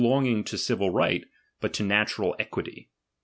longing to civil right, but to natural equity, chap.